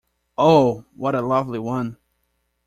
Oh, what a lovely one!